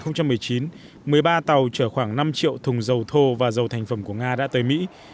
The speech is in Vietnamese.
giờ khoảng năm triệu thùng dầu thô và dầu thành phẩm của nga đã tới mỹ